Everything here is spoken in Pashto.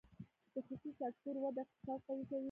د خصوصي سکتور وده اقتصاد قوي کوي